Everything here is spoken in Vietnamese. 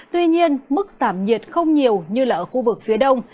tuy nhiên mức giảm nhiệt không nhiều như là ở khu vực phía đông